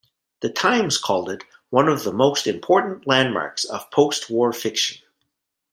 "The Times" called it "one of the most important landmarks of post-war fiction.